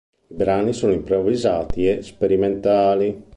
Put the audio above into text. I brani sono improvvisati e sperimentali.